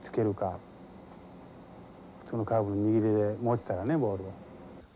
普通のカーブの握りで持ってたらねボールを。